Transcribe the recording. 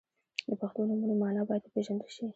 • د پښتو نومونو مانا باید وپیژندل شي.